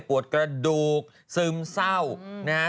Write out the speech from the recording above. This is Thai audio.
ปวดกระดูกซึ้มเศร้า